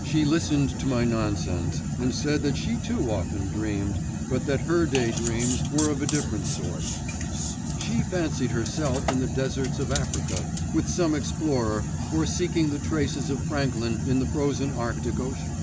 She listened to my nonsense, and said that she too often dreamed, but that her day dreams were of a different sort: she fancied herself in the deserts of Africa, with some explorer, or seeking the traces of Franklin in the frozen Arctic Ocean.